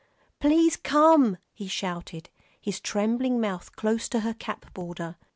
"Please come!" he shouted, his trembling mouth close to her cap border.